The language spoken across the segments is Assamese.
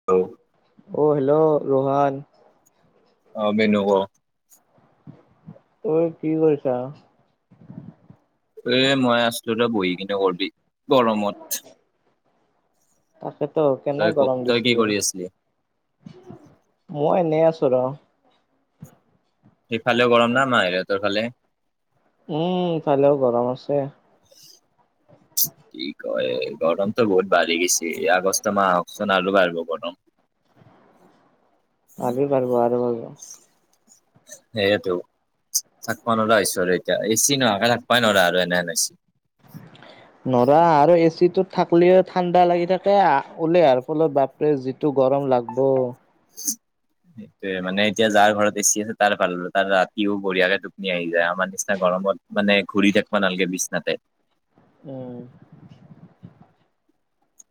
[unintelligible] অ' হেল্ল' ৰোহান। অ' মেনু ক? অই কি কৰিছা? এ, মই আছিলোঁ ৰ বহি কিনে কৰবি, গৰমত। তাকেতো কেনে তই ক গৰম তই কি দিছিৰে। কৰি আছিলি মই এনেই আছোঁ ৰ। সিফালেও গৰম না, আ, মাহীহঁতৰ ফালে? উম, ফালেও গৰম আছে। [inaudible] অ' এই গৰমটো বহুত বাঢ়ি গৈছে, আগষ্ট মাহ আহকচোন আৰু বাঢ়িব গৰম। [inaudible] আৰু বাঢ়িব আৰু বাঢ়ব। সেইহেতু, থাকবা নোৱাৰা হৈছো আৰু এতিয়া। এচি নোহোৱাকে থাকবাই নোৱাৰা আৰু এনে এনে [unintelligible] [inaudible] নোৱাৰা আৰু এচিটোত থাকলেও ঠাণ্ডা লাগি থাকে, আ, ওলাই আহাৰ ফলত বাপ এ, যিটো গৰম লাগব। [inaudible] সেইটোয়ে মানে এতিয়া যাৰ ঘৰত এছি আছে তাৰ ভাল, তাৰ ৰাতিও বঢ়িয়াকে টোপনি আহি যায়, আমাৰ নিচিনা গৰমত মানে ঘূৰি থাকিবা নালাগে বিচনাতে। উম।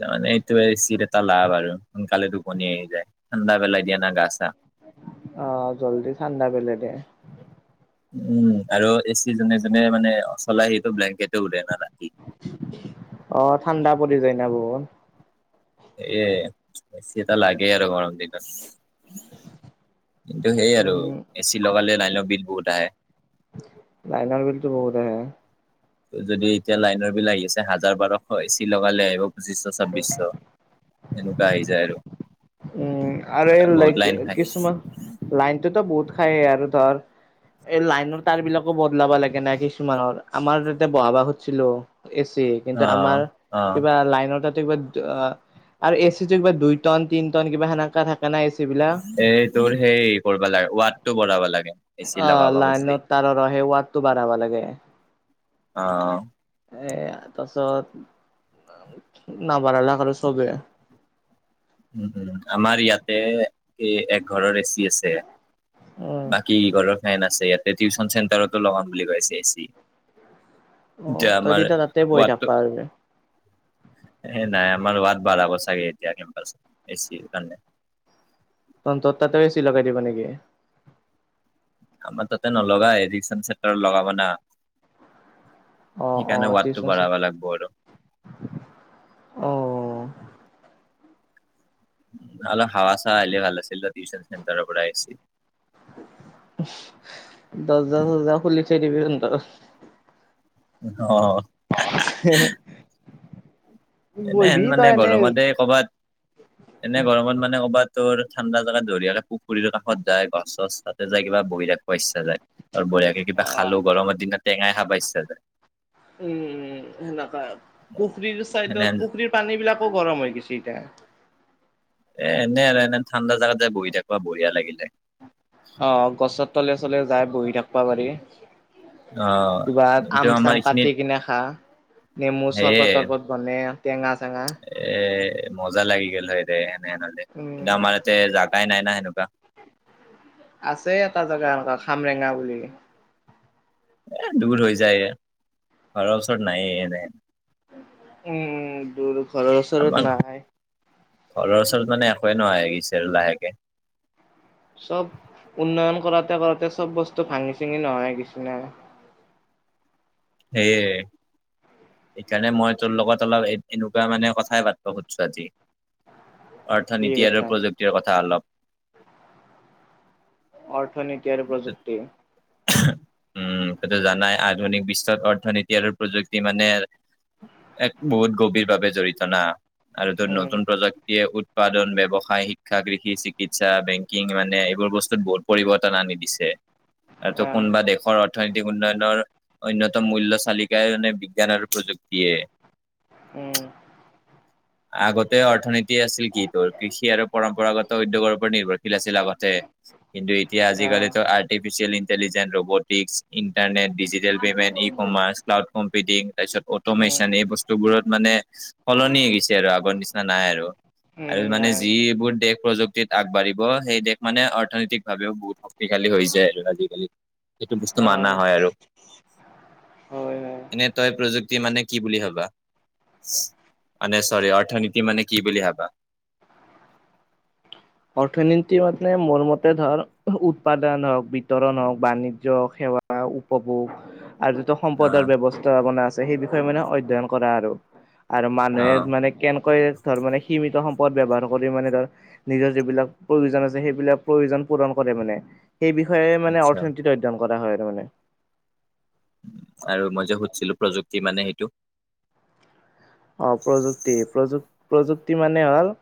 তাৰ মানে এইটো এচিৰ এটা লাভ আৰু সোনকালে টোপনি আহি যায়, ঠাণ্ডা পেলাই দিয়ে না গা চা। অ' জলদি ঠাণ্ডা পেলে দে। উম, আৰু এ চি যোনে যোনে মানে চলাই সিটো ব্লেংকেটটো উৰে না ৰাতি। অ' ঠাণ্ডা পৰি যায় না বহুত। এ, এচি এটা লাগে আৰু গৰম দিনত। কিন্তু সেই আৰু উম এচি লগালে লাইনৰ বিল বহুত আহে। লাইনৰ বিলটো বহুত আহে। যদি এতিয়া লাইনৰ বিল আহি আছে হাজাৰ বাৰশ, এচি লগালে আহিব পঁচিশ ছাব্বিশ। এনেকা আহি যায় আৰু। উম, আৰু এই বহুত লাইক লাইন খাই কিছুমান, লাইনটোতো বহুত খাই আৰু ধৰ এই লাইনৰ তাৰ বিলাকো বদলাব লাগে এনে কিছুমানৰ, আমাৰ তাতে বহাব খুজিছিলোঁ এ চি, অ কিন্তু আমাৰ অ কিবা লাইনৰ তাত [unintelligible] আৰু এ চিটো কিবা দুই টন, তিনি টন, কিবা সেনেকা থাকে না এ চি বিলাক? এই তোৰ সেই কৰিব লাগে, ৱাটটো বঢ়াব লাগে। এচি অ', লগাব খুজিলি লাইনত তাৰৰ অ' সেই ৱাটটো বঢ়াব লাগে। অ' এ তাৰপিছত, নবঢ়ালক আৰু চবেই। উম উম, আমাৰ ইয়াতে এই একঘৰৰ এ চি আছে। উম বাকী ঘৰৰ ফেন আছে, ইয়াতে টিউশ্যন চেণ্টাৰতো লগাম বুলি কৈছে এ চি অ যে তই আমাৰ তেতিয়া তাতে বহি থাকবা ৱাতটো পাৰিবি হেই নাই, আমাৰ ৱাত বঢ়াব চাগে এতিয়া কেম্পাছত, এ চিৰ কাৰণে। তহঁতৰ তাতেও এ চি লগাই দিব নেকি? আমাৰ তাতে নলগায়, এডিচন চেণ্টাৰত লগাব না। অ অ সেইকাৰণে ৱাতটো টিউচন চি বঢ়াব লাগব আৰু। অ উম, অলপ হাৱা-চাৱা আহিলে ভাল আছিল দে, টিউচন চেণ্টাৰৰ পৰা এ চিৰ দৰজা-চৰজা খুলি থৈ দিবি তহঁতৰ উম অ' হে হে এনেহেন মানে গৰমতে কৰ'বাত এনে গৰমত মানে ক'ৰবাত তোৰ ঠাণ্ডা জেগাত ধুনীয়াকে পুখুৰীৰ কাষত যায় গছ-চছ তাতে যায় কিবা বহি থাক ব ইচ্ছা যায় আৰু বঢ়িয়াকে কিবা অ খালোঁ, গৰমৰ দিনত টেঙা খাব ইচ্ছা যায়। উম-উম, সেনেকা, পুখুৰীৰ এনে চাইদত-পুখুৰীৰ পানী বিলাকো গৰম হৈ গৈছে এতিয়া। এ এনে আৰু এনে ঠাণ্ডা জাগাত যায় বহি থাকবা বঢিয়া লাগিল হয়। অ', গছৰ তলে চলে যায় বহি থাকিব পাৰি। অ কিবা কিন্তু আমাৰ আম-চাম এইখিনিত কাটি কিনে খা, নেমু সেয়ে চৰ্বত তৰ্বত গনে টেঙা-চেঙা এ মজা লাগি গ'ল হয়ৰে এনে হ'লে, উম, কিন্তু আমাৰ ইয়াতে জাগাই নাই না সেনেকুৱা। আছে এটা জেগা এনেকুৱা খামৰেঙা বুলি। এ দূৰ হৈ যায়, ঘৰৰ ওচৰত নাইয়ে এনেহেন উম দূৰ, ঘৰৰ আমাৰ ওচৰত নাই ঘৰৰ ওচৰত মানে একোৱে নোহোৱা গৈছে আৰু লাহেকে চব উন্নয়ন কৰোঁতে-কৰোঁতে চব বস্তু ভাঙি-চিঙি নোহোৱা হয় গৈচি ন? সেইয়ে সেইকাৰণে মই তোৰ লগত অলপ এনেকুৱা মানে কথাই পাতিব খুজিছোঁ আজি। কি অৰ্থনীতি আৰু কথা প্ৰযুক্তিৰ কথা অলপ অৰ্থনীতি আৰু প্ৰযুক্তিৰ? উম', তইতো জানই, আধুনিক বিশ্বত অৰ্থনীতি আৰু প্ৰযুক্তি মানে নে, এক বহুত গভীৰভাৱে জৰিত না, আৰু য'ত উম, নতুন প্ৰযুক্তিয়ে উৎপাদন, ব্যৱসায়, শিক্ষা, কৃষি, চিকিৎসা, বেংকিং, মানে এইবোৰ বস্তুত বহুত পৰিৱৰ্তন আনি দিছে। আৰুটো আহ, কোনোবা দেশৰ অৰ্থনৈতিক উন্নয়নৰ অন্যতম মূল্য চালিকাই মানে বিজ্ঞান আৰু প্ৰযুক্তিয়েই উম। আগতে অৰ্থনীতি আছিল কি তোৰ, কৃষি আৰু পৰম্পৰাগত উদ্যোগৰ ওপৰত নিৰ্ভৰশীল আছিল আগত তে, কিন্তু এতিয়া আজিকালি আহ, টো artificial ইণ্টেলিজেন, robotics, internet, digital payment, e commerce, cloud computing তাৰপিছত অ'টো উম, মেচন, এই বস্তু বস্তুবোৰত মানে সলনি হৈ গৈছে। এতিয়া আৰু আগৰ নিচিনা নাই আৰু, উম, আৰু মানে নাই। যিবোৰ দেশ প্ৰযুক্তি- আগবাঢ়িব সেই দেশ মানে অৰ্থনৈতিক ভাৱেও বহুত শক্তিশালী হৈ যায় আৰু আজিকালি, সেইটো বস্তু মানা অ', হয় আৰু। হয়, হয়। এনেই তই প্ৰযুক্তি মানে কি বুলি ভাবা? মানে- চৰি, অৰ্থনীতি মানে কি বুলি ভাবা? অৰ্থনীতি মানে মোৰ মতে ধৰ উৎপাদন হওঁক, বিতৰণ হওঁক, বাণিজ্য সেৱা বা উপভোগ আৰুতো সম্পদৰ অ', ব্যৱস্থাপনা আছে সেই বিষয়ে মানে অধ্যয়ন কৰা আৰু। আৰু মানুহে অ', মানে কেনেকৈ ধৰ মানে সীমিত সম্পদ ব্যৱহাৰ কৰি মানে ধৰ নিজৰ যিবিলাক প্ৰয়োজন আছে, সেইবিলাক প্ৰয়োজন পূৰন কৰে মানে, সেই বিষয়ে মানে আচ্ছা অৰ্থনীতিত অধ্যয়ন কৰা হয় তাৰমানে। আৰু মই যে সুধিছিলো প্ৰযুক্তি মানে, সেইটো আঁহ' প্ৰযুক্তি প্ৰযু প্ৰযুক্তি মানে হ'ল-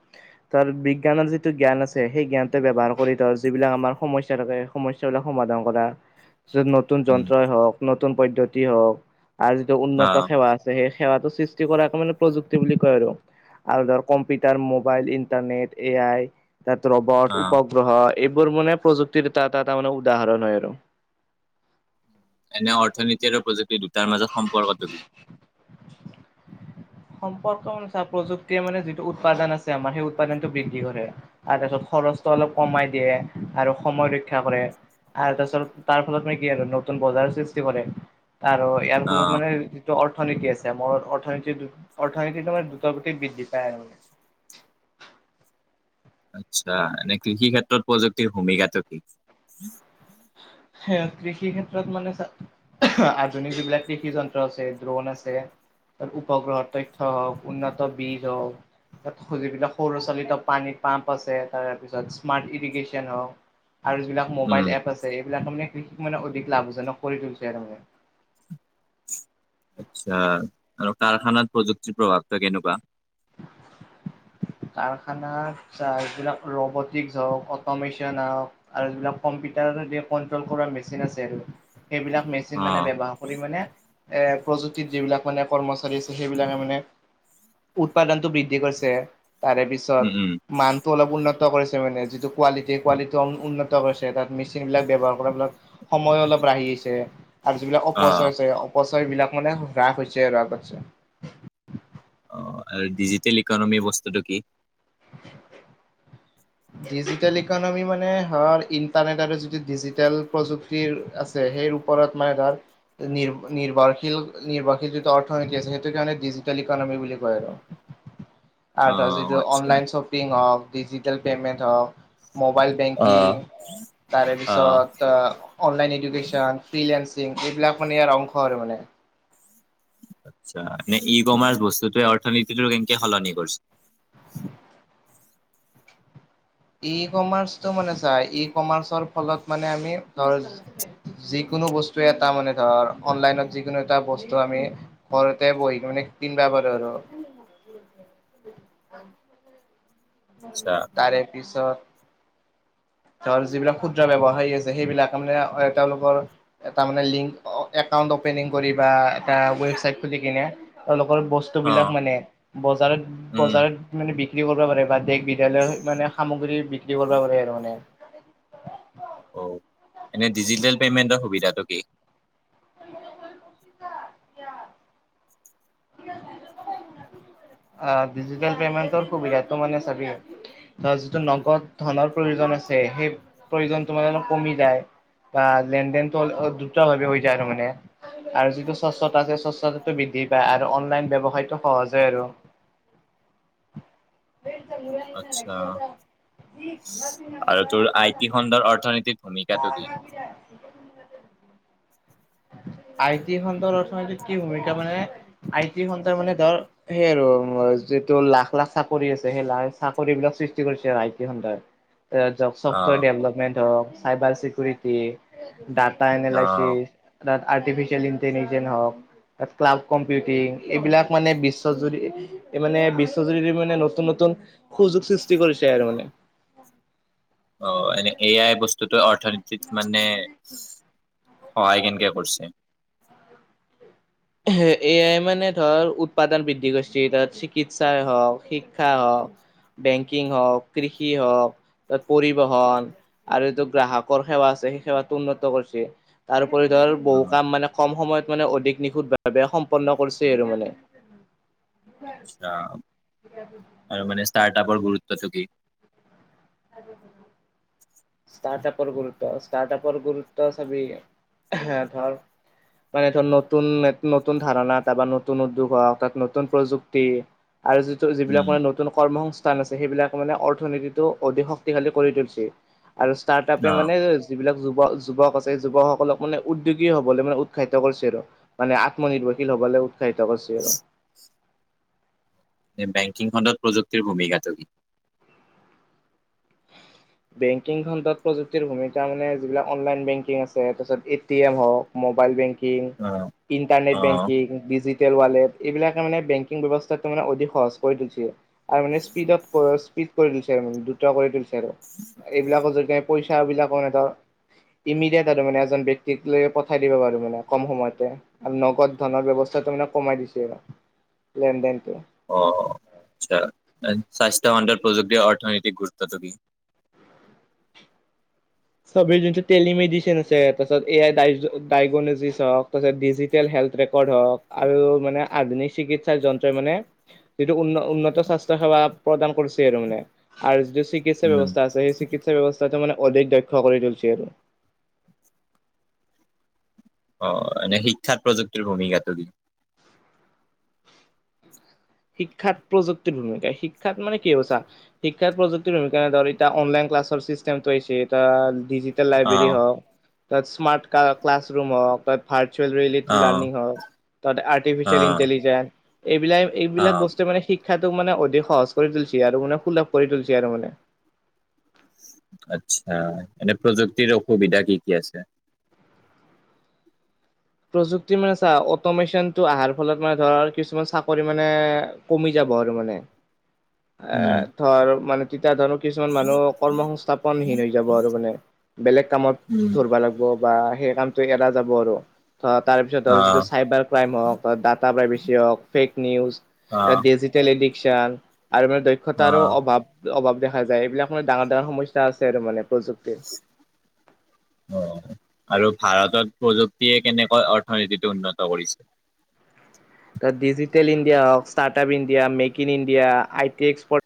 তাৰ বিজ্ঞানৰ যিটো জ্ঞান আছে, সেই জ্ঞানটো ব্যৱহাৰ কৰি তৰ যিবিলাক আমাৰ সমস্যা থাকে সমস্যাবিলাক সমাধান কৰা। [inaudible] য'ত নতুন উম, যন্ত্ৰই হওঁক, নতুন পদ্ধতি হওঁক, আৰু যিটো উন্নত অ', সেৱা সেই সেৱাটো সৃষ্টি কৰা মানে প্ৰযুক্তি বুলি কয় আৰু, আৰু ধৰ computer, mobile, internet, A I তাত ৰবট, অ', উপগ্ৰহ এইবোৰ মানে প্ৰযুক্তিৰ এটা এটা তাৰ মানে উদাহৰণ হয় আৰু। এনে অৰ্থনীতি আৰু প্ৰযুক্তি দুটাৰ মাজত সম্পৰ্কটো কি? সম্পৰ্ক মানে চা, প্ৰযুক্তিয়ে মানে যিটো উৎপাদন আছে আমাৰ, সেই উৎপাদনতটো বৃদ্ধি কৰে। আৰু খৰচটো অলপ কমাই দিয়ে, আৰু সময় ৰক্ষা কৰে। আৰু তাৰপাছত তাৰ ফলত কি আৰু নতুন বজাৰ সৃষ্টি কৰে, আৰু ইয়াৰ ফলত অ', মানে যিটো অৰ্থনীতি আছে, মোৰ অৰ্থনীতি অৰ্থনিতিটো মানে দ্ৰুত গতিত বৃদ্ধি পায় আৰু। আচ্ছা, এনে কৃষি ক্ষেত্ৰত প্ৰযুক্তিৰ ভূমিকাটো কি? বেয়া কৃষি ক্ষেত্ৰত মানে চাহ অহ আধুনিক যুগ যিবিলাক কৃষি যন্ত্ৰ আছে, ড্ৰোন আছে উপগ্ৰহৰ তথ্য হওঁক, উন্নত বীজ হওঁক যিবিলাক সৰুলৰাচালিত পানী পাম্প আছে, তাৰপিছত স্মাৰ্ট ইৰিগেশ্যন হওঁক আৰু যিবিলাক উম, মোবাইল এপ আছে, এইবিলাক মানে কৃষিত মানে অধিক লাভ জনক কৰি তুলিছে, আৰু তাৰ মানে। আচ্ছা, আৰু কাৰখানাত প্ৰযুক্তিৰ প্ৰভাৱটো কেনেকুৱা? [unintelligible] কাৰখানা চাহ এই বিলাক ৰবটিক হওঁক, অটমেচন হওঁক আৰু কম্পিউটাৰ ক্ৰট্ৰল কৰা মেচিন আছে আৰু সেইবিলাক মেচিন মেচিন মানে অ', ব্যৱহাৰ কৰি মানে এৰ প্ৰযুক্তিত যিবিলাক মানে কৰ্মচাৰী আছে সেইবিলাকে মানে উৎপাদনতটো বৃদ্ধি কৰিছে তাৰে উম, উম, পিছত মান টো অলপ উন্নত কৰিছে মানে যিটো কোৱালিটি কোৱালিটিটো উন্নত কৰিছে তাত মেচিনবিলাক ব্যৱহাৰ কৰা বিলাক সময় অলপ ৰাহি হৈছে। আৰু যিবিলাক অ', অপচয় হৈছে অপচয় বিলাক মানে হ্ৰাস হৈছে আৰু আগত অঁ আৰু ডিজিটেল ইকনমি বস্তুটো কি? ডিজিটেল ইকনমি মানে হ'ল ইণ্টাৰনেট আৰু যিটো ডিজিটেল প্ৰযুক্তিৰ আছে। সেই সেই ওপৰত মানে ধৰ নি নিৰ্বৰশীল নিৰ্বাহশীল যিটো অৰ্থনীতি আছে সেইটো কি ডিজিটেল ইকনমি বুলি কয় আৰু [inaudible] আৰু তাৰ যিটো আচ্ছা অনলাইন চপ, চপিং হওক, ডিজিটেল পে'মেণ্ট হওক, মোবাইল অ', বেংকিং তাৰে অ', পিছত, ত অনলাইন এডুকেশ্যন, ফ্ৰীলেঞ্চিং এইবিলাক মানে ইয়াৰ অংশ আৰু মানে। ই কমাৰচ বস্তুটোৱে অৰ্থনীতিটো কেনকে হলনি কৰছে? ই কমাৰ্চটো মানে চা, ই কমাৰ্চৰ ফলত মানে আমি ধৰ, যিকোনো বস্তুৱে এটা মানে ধৰ অনলাইনত যিকোনো এটা বস্তু আমি, ঘৰতে বহি মানে কিনবা পাৰু আৰু, আচ্ছা তাৰে পিছত, ধৰ যিবিলাক ক্ষুদ্ৰ ব্যৱসায়ী আছে সেইবিলাক মানে আ তেওঁলোকৰ, এটা মানে লিংক একাউণ্ট অপেনিং কৰিবা, এটা ৱেছাইড খুলি কিনে। তেওঁলোকৰ বস্তু বিলাক অ', মানে বজাৰত উম, বজাৰত, মানে বিক্ৰী কৰিব পাৰে বা দেশ বিদ্যয়ালয়ৰ মানে সামগ্ৰী বিক্ৰী কৰিব পাৰে আৰু মানে, অ এনে ডিজিটেল পেমেণ্টৰ সুবিধাটো কি? [unintelligible] [inaudible] অ ডিজিটেল পেমেণ্টৰ সুবিধাতো মানে চাবি, ধ যিটো নগদ ধনৰ প্ৰয়োজন আছে সেই প্ৰয়োজন তোমাৰ অলপ কমি যায়। বা লেন দেনটো অ দ্ৰোতভাৱে হৈ যায় আৰু মানে। আৰু যিটো স্বচ্ছতা আছে স্বচ্ছতাটো বৃদ্ধি পায় আৰু, অনলাইন ব্যৱসায়টো সহজে আৰু, আচ্ছা [unintelligible] গোটেই ভূমিকাটো কি? আই টি খন্তৰ অৰ্থনীতিত কি ভূমিকা মানে? আই টি খন্দৰ মানে ধৰ, সেই আৰু যিটো লাখ লাখ চাকৰি আছে সেই লাখ চাকৰি বিলাক সৃষ্টি কৰিছে আৰু আই টি খণ্ডই। অ জব অ', চব ডেভেলপমেণ্ট হওক চাইবাৰ চিকিউৰিটি। ডাটা অ', এনালাইচিছ তাত আৰ্টিফিচিয়েল ইন্টেলিজেন হওক তাত ক্লাৱ কম্প, বিউটিং এইবিলাক মানে বিশ্বজুৰি, এই মানে বিশ্বজুৰি মানে নতুন নতুন সুযোগ সৃষ্টি কৰিছে আৰু মানে, অ এনে এ আই বস্তুটো অৰ্থনীতিত মানে, সহায় কেনকে কৰিছে? এয়াই মানে ধৰ উৎপাদন বৃদ্ধি কৰিছে তাত চিকিৎসাই হওক শিক্ষা হওক, বেংকিং হওক, কৃষি হওক, বা পৰিবহন আৰু এইটো গ্ৰাহকৰ সেৱা আছে সেই সেৱাটো উন্নত কৰিছে। তাৰপৰি ধৰ বহু অ', কাম মানে কম সময়ত মানে অধিক নিখুত ভাৱে সম্পন্ন কৰিছেই আৰু মানে। আচ্ছা ঠিক আছে। আৰু মানে ষ্টাৰ্টআপৰ গুৰুত্বটো কি? [inaudible] ষ্টাৰ্টআপৰ গুৰুত্ব, ষ্টাৰ্টআপৰ গুৰুত্ব চাবি ধৰ মানে ধ নতুন এট নতুন ধাৰণা এটা বা নতুন উদ্যোগ হওক তাত নতুন প্ৰযুক্তি, আৰু যিটো যিবিলাক উম, মানে নতুন কৰ্ম সংস্থান আছে সেইবিলাক মানে অৰ্থনীতিটো, অধিক শক্তিশালী কৰি তুলিছে আৰু ষ্টাৰ্ট আপে অ', মানে যিবিলাক যুৱক যুৱক আছে যুৱকসকলক মানে উদ্যোগী হবলৈ মানে উৎসাহিত কৰিছে আৰু মানে আত্মনিৰ্ভৰশীল হবলৈ উৎসাহিত কৰিছে আৰু এই বেংকিং খণ্ডত প্ৰযুক্তিৰ ভূমিকাটো [inaudible] বেংকিং খণ্ডত প্ৰযুক্তিৰ ভূমিকা মানে যিবিলাক অনলাইন বেংকিং আছে তাৰপিছত এটি এম হওক মোবাইল বেংকিং অ', বেংকিং ইণ্টাৰনেট অ', বেংকিং ডিজি টেল ৱালেট এইবিলাকে মানে বেংকিং ব্যৱস্থাটো মানে অধিক সহজ কৰি তুলিছে আৰু মানে স্পীডত অধিক কৰি তুলিছে আৰু দুৰ্ত কৰি তুলিছে আৰু এইবিলাকৰ যোগে পইচা বিলাকৰ এটা ইমিডেট আৰু মানে এজন ব্যক্তিক লৈ পঠাই দিব পাৰো মানে কম সময়তে আৰু নগদ ধনৰ ব্যৱস্থা টো মানে কমাই দিছে লেন দেনটো অ আচ্ছা স্বাস্থ্য খণ্ডত প্ৰযুক্তিৰ অৰ্থনৈতিক গুৰুত্বটো কি চবে যিটো টেলিমেডিচিন আছে তাৰপিছত এ আই ডা ডাইগনজিছ হক তাপিছত ডিজিট টেল হেল্থ ৰেকৰ্ড হওক আৰু মানে আধুনিক চিকিৎসাৰ যন্ত্ৰই মানে যিটো উন উন্নত স্বাস্থ্য সেৱা প্ৰদান কৰিছে আৰু মানে আৰু যিটো চিকিৎসা উম, ব্যৱস্থা আছে সেই চিকিৎসা ব্যৱস্থাটো মানে অধিক দক্ষ কৰি তুলিছে আৰু অ এনে শিক্ষাত প্ৰযুক্তিৰ ভূমিকাটো কি শিক্ষাত প্ৰযুক্তিৰ ভূমিকা শিক্ষাত মানে কি হব চা শিক্ষাত প্ৰযুক্তিৰ ভূমিকা ধৰ এটা অনলাইন ক্লাছৰ চিষ্টেমটো আহিছে এটা ডিজিট টেল লাইব্ৰেৰী অ', হওক তাত স্মাৰ্ট ক্লাছৰুম হওক ভাৰ্চুৱেল ৰিয়েলিটি অ', লাৰ্ণিং হওক তাতে আৰ্টিফিচিয়েল অ', ইন্টেলিজেঞ্চ এইবিলাক এইবিলাক অ', বস্তু বস্তু মানে শিক্ষাটোক মানে অধিক সহজ কৰি তুলিছে আৰু মানে সুলভ কৰি তুলিছে আৰু মানে আচ্ছা এনে প্ৰযুক্তিৰ অসুবিধা কি কি আছে প্ৰযুক্তি মানে চা অট'মেশচনটো অহাৰ ফলত মানে ধৰ কিছুমান চাকৰি মানে কমি যাব আৰু মানে এ উম। ধৰ মানে তেতিয়া ধৰ কিছুমান মানুহ কৰ্ম সংস্থাপনহীন হৈ যাব আৰু মানে বেলেগ কামত উম। ধৰবা লাগব বা সেই কামটো এৰা যাব আৰু আ তাৰ পিছত আৰু যিটো অ', চাইবাৰ ক্ৰাইম হওক ডাটা প্ৰাইভেছি হওক ফেক নিউজ তাত অ', ডিজিটেল এডিকচন আৰু মানে দক্ষ দক্ষতাৰো অ', অভাৱ অভাৱ দেখা যায় এইবিলাক মানে ডাঙৰ ডাঙৰ সমস্যা আছে আৰু মানে প্ৰযুক্তিত [inaudible] অ আৰু ভাৰতত প্ৰযুক্তিয়ে কেনেকৈ অৰ্থনীতিটো উন্নত কৰিছে তাত ডিজিটেল ইণ্ডিয়া হওক start up India make in India I T export